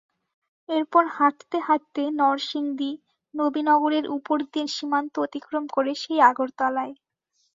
এরপর হাঁটতে হাঁটতে নরসিংদী, নবীনগরের ওপর দিয়ে সীমান্ত অতিক্রম করে সেই আগরতলায়।